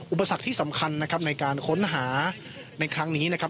อุปสรรคที่สำคัญนะครับในการค้นหาในครั้งนี้นะครับ